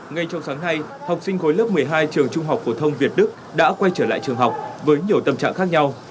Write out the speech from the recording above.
ngay trong sáng nay học sinh khối lớp một mươi hai trường trung học phổ thông việt đức đã quay trở lại trường học với nhiều tâm trạng khác nhau